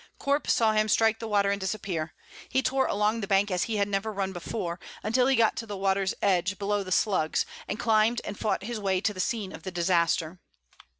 Corp saw him strike the water and disappear. He tore along the bank as he had never run before, until he got to the water's edge below the Slugs, and climbed and fought his way to the scene of the disaster.